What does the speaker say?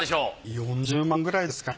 ４０万くらいですかね？